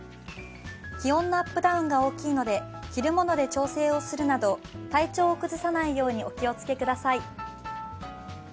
気温のアップダウンが大きいので、着るもので調整するなど体調を崩さないようにお気をつけください。